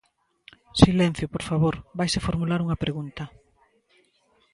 Silencio, por favor, vaise formular unha pregunta.